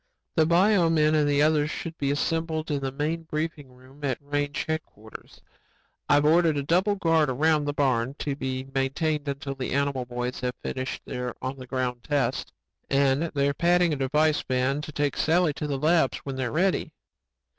"The bio men and the others should be assembled in the main briefing room at range headquarters. I've ordered a double guard around the barn, to be maintained until the animal boys have finished their on the ground tests. And they're padding a device van to take Sally to the labs when they're ready.